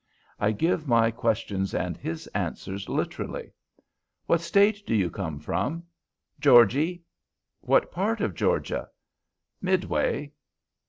I give my questions and his answers literally. "What State do you come from?" "Georgy." "What part of Georgia?" "Midway."